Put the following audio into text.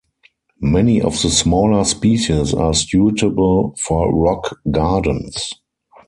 Many of the smaller species are suitable for rock gardens.